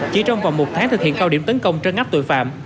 chỉ trong vòng một tháng thực hiện cao điểm tấn công trân ngắp tội phạm